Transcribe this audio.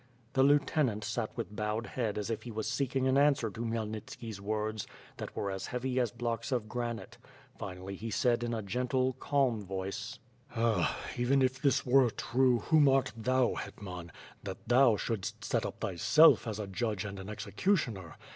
The lieutenant sat with bowed head as if he was seeking an answer to Khmyelnitski's words, that were as heavy as blocks of granite; finally he said in a gentle, calm voice: "Ah! even if this were true, whom art thou, Hetman, that thou shouldst set up thyself as a judge and an executioner?